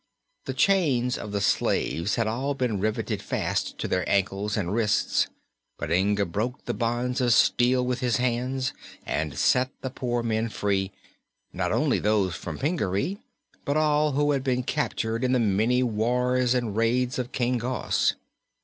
The chains of the slaves had all been riveted fast to their ankles and wrists, but Inga broke the bonds of steel with his hands and set the poor men free not only those from Pingaree but all who had been captured in the many wars and raids of King Gos.